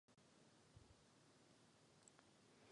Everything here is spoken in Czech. Sedm relativně samostatných příběhů spojuje téma smíchu a zapomnění.